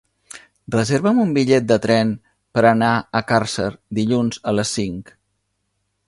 Reserva'm un bitllet de tren per anar a Càrcer dilluns a les cinc.